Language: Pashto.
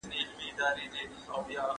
استاد نن یوه جالبه کیسه وکړه.